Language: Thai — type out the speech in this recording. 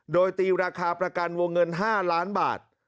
โดยตีราคาประกันวงเงิน๕ล้านบาท